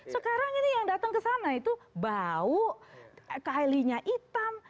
sekarang ini yang datang ke sana itu bau kylinya hitam